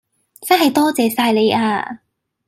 真係多謝晒你呀